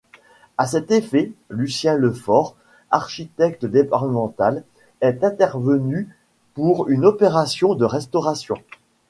À cet effet, Lucien Lefort, architecte départemental, est intervenu pour une opération de restauration.